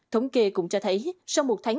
thống kê cũng cho thấy sau một tháng